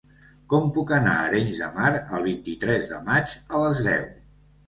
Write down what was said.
Com puc anar a Arenys de Mar el vint-i-tres de maig a les deu?